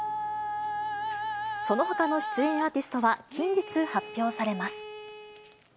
そのほかの出演アーティストは近日発表されます。